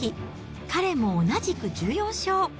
彼も同じく１４勝。